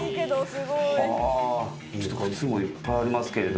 靴もいっぱいありますけど。